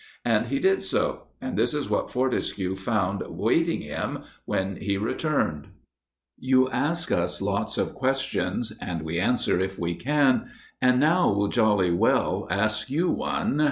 And he did so, and this is what Fortescue found awaiting him when he returned: "You ask us lots of questions And we answer if we can, And now we'll jolly well ask you one.